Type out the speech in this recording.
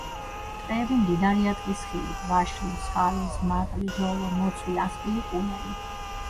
ტყეები მდიდარია ტყის ხილით: ვაშლი, მსხალი, ზღმარტლი, ჟოლო, მოცვი, ასკილი, კუნელი.